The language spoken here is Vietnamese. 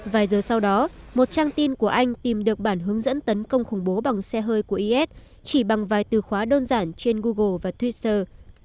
vài giờ sau đó một trang tin của anh tìm được bản hướng dẫn tấn công khủng bố bằng xe hơi của is chỉ bằng vài từ khóa đơn giản trên google và twitter